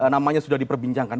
namanya sudah diperbincangkan